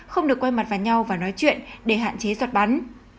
không được quay mặt vào nhau và nói chuyện để hạn chế giọt bắn